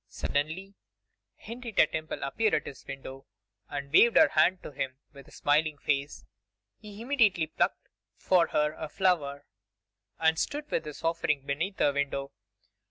Suddenly, Henrietta Temple appeared at his window, and waved her hand to him with a smiling face. He immediately plucked for her a flower, and stood with his offering beneath her window.